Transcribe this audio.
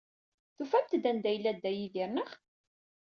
Tufamt-d anda yella Dda Yidir, naɣ?